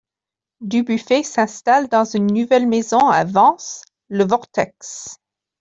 Dubuffet s'installe dans une nouvelle maison à Vence, Le Vortex.